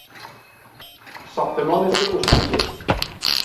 ساختمان سه اشکوبه